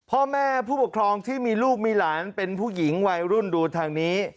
พ่อแม่ผู้ปกครองที่มีลูกมีหลานเป็นผู้หญิงวัยรุ่นดูทางนี้